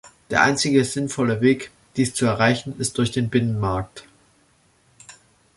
Der einzige sinnvolle Weg, dies zu erreichen, ist durch den Binnenmarkt.